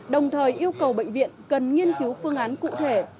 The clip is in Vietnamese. đồng thời yêu cầu bệnh viện cần nghiên cứu phương án cụ thể